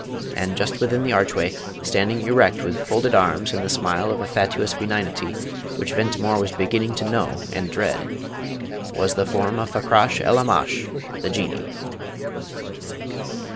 And just within the archway, standing erect with folded arms and the smile of fatuous benignity which Ventimore was beginning to know and dread, was the form of Fakrash el Aamash, the Jinnee!